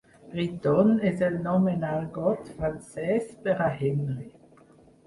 "Riton" és el nom en argot francès per a "Henry".